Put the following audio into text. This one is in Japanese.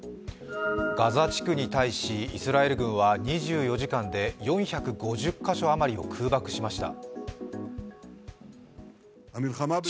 ガザ地区に対しイスラエル軍は２４時間で４５０か所余りを空爆しました。